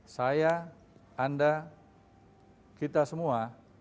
saya anda kita semua bisa saling mengancam